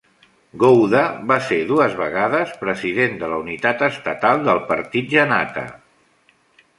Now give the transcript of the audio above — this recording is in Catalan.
Gowda va ser dues vegades president de la unitat estatal del Partit Janata.